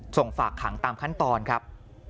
ส่งฝากขังตามขั้นตอนครับ